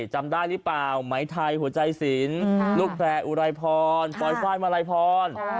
จำได้หรือเปล่าไหมไทยหัวใจสินลูกแฟร์อุไรพรปลอยไฟล์มาลัยพร